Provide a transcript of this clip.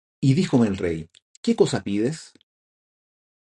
Y díjome el rey: ¿Qué cosa pides?